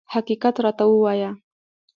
حقیقت راته ووایه.